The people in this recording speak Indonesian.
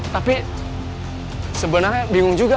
tapi sebenarnya bingung juga